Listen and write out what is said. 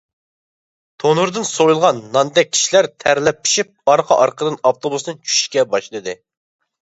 تونۇردىن سويۇلغان ناندەك كىشىلەر تەرلەپ-پىشىپ ئارقا-ئارقىدىن ئاپتوبۇستىن چۈشۈشكە باشلىدى.